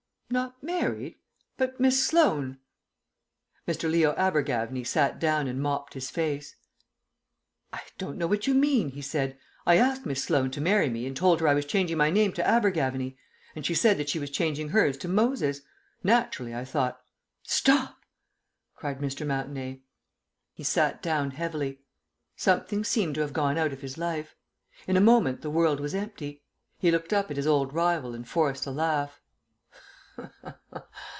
"Not married? But Miss Sloan " Mr. Leo Abergavenny sat down and mopped his face. "I don't know what you mean," he said. "I asked Miss Sloan to marry me, and told her I was changing my name to Abergavenny. And she said that she was changing hers to Moses. Naturally, I thought " "Stop!" cried Mr. Mountenay. He sat down heavily. Something seemed to have gone out of his life; in a moment the world was empty. He looked up at his old rival, and forced a laugh.